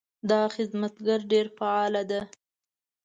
دا خدمتګر ډېر فعاله ده.